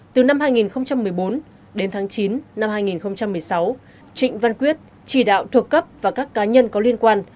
từ năm hai nghìn một mươi bốn đến tháng chín năm hai nghìn một mươi sáu trịnh văn quyết chỉ đạo thuộc cấp và các cá nhân có liên quan